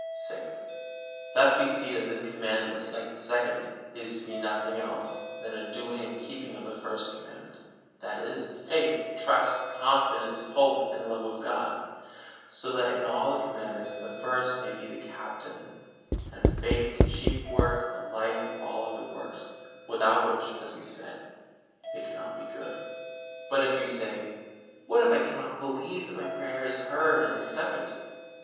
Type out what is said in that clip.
VI. Thus we see that this Commandment, like the Second, is to be nothing else than a doing and keeping of the First Commandment, that is, of faith, trust, confidence, hope and love to God, so that in all the Commandments the First may be the captain, and faith the chief work and the life of all other works, without which, as was said, they cannot be good. But if you say: "What if I cannot believe that my prayer is heard and accepted?"